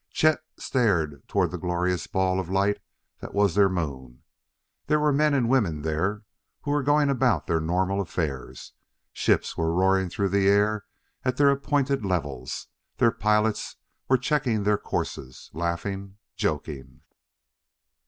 Chet stared toward the glorious ball of light that was their moon. There were men and women there who were going about their normal affairs. Ships were roaring through the air at their appointed levels; their pilots were checking their courses, laughing, joking.